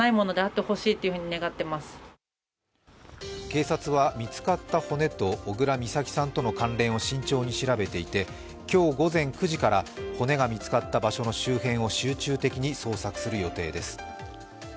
警察は見つかった骨と小倉美咲さんとの関連を慎重に調べていて、今日午前９時から骨が見つかった場所の周辺を集中的に捜索する予定です。